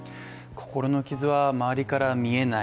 心の傷は周りから見えない